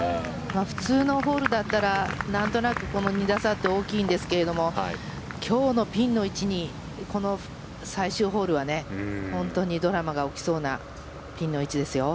普通のホールだったらなんとなく、この２打差って大きいんですけれど今日のピンの位置にこの最終ホールは本当にドラマが起きそうなピンの位置ですよ。